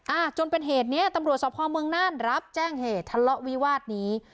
จนเป็นเหตุเนี้ยตำรวจสภเมืองน่านรับแจ้งเหตุทะเลาะวิวาสนี้